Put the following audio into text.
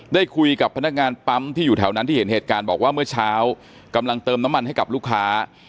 ได้คุยกับพนักงานปั๊มที่อยู่แถวนั้นที่เห็นเหตุการณ์บอกว่าเมื่อเช้ากำลังเติมน้ำมันให้กับลูกค้า